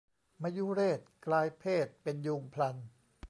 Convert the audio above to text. มยุเรศกลายเพศเป็นยูงพลัน